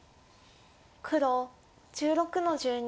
黒１６の十二。